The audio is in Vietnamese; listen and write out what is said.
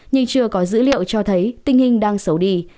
nhưng chưa có dữ liệu cho thấy tình hình đang xấu đi